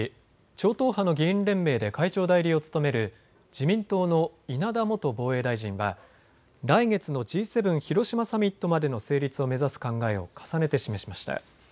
超党派の議員連盟で会長代理を務める自民党の稲田元防衛大臣は来月のＧ７広島サミットまでの成立を目指す考えを重ねて示しました。